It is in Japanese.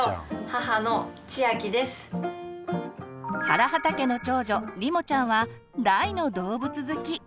原畠家の長女りもちゃんは大の動物好き。